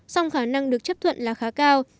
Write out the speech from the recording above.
song khả năng được chấp thuận là khá cao